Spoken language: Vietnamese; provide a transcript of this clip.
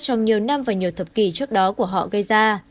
trong nhiều năm và nhiều thập kỷ trước đó của họ gây ra